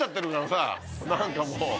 何かもう。